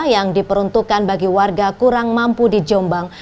yang diperuntukkan bagi warga kurang mampu di jombang